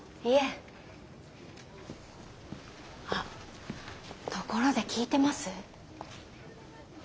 あっところで聞いてます？